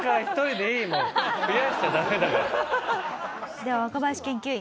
では若林研究員。